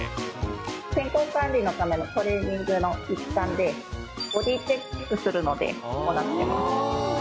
健康管理のためのトレーニングの一環で、ボディーチェックするのをこうなってます。